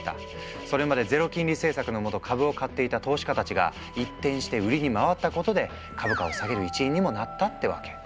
それまでゼロ金利政策のもと株を買っていた投資家たちが一転して売りに回ったことで株価を下げる一因にもなったってわけ。